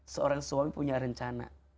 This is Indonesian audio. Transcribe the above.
seorang suami punya rencana